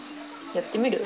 やってみる？